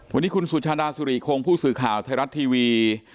วันนี้คุณสุชาดาสุริคงผู้สื่อข่าวไทยรัฐทีวี